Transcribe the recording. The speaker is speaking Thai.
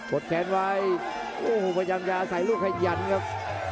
ดแขนไว้โอ้โหพยายามจะใส่ลูกขยันครับ